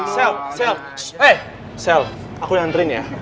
sel sel eh sel aku yang antrin ya